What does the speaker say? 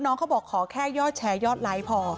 เขาบอกขอแค่ยอดแชร์ยอดไลค์พอ